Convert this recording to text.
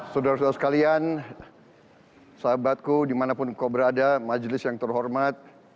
saudara saudara sekalian sahabatku dimanapun kau berada majelis yang terhormat